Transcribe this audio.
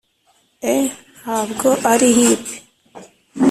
“e, ntabwo ari hipe!